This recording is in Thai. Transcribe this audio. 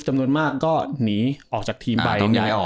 จำนวนมากก็หนีออกจากทีมใบ